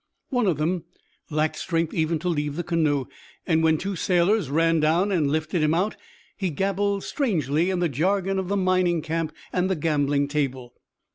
One of them lacked strength even to leave the canoe, and when two sailors ran down and lifted him out, he gabbled strangely in the jargon of the mining camp and the gambling table.